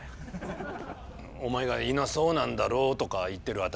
お前が「いなそうなんだろ？」とか言ってる辺りから。